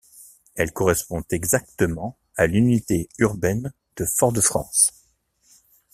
Elle correspond exactement à l'unité urbaine de Fort-de-France.